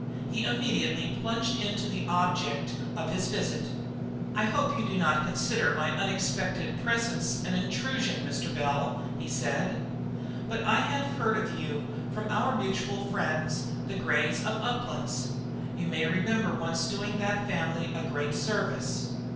He immediately plunged into the object of his visit. "I hope you do not consider my unexpected presence an intrusion, Mr. Bell," he said. "But I have heard of you from our mutual friends, the Greys of Uplands. You may remember once doing that family a great service."